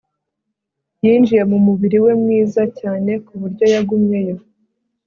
Yinjiye mu mubiri we mwiza cyane ku buryo yagumyeyo